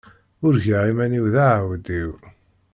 Urgaɣ iman-iw d aεewdiw.